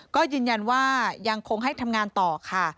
ก็ยืนยันว่ายังคงให้ทำงานต่อค่ะ